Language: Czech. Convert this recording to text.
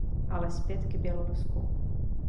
Ale zpět k Bělorusku.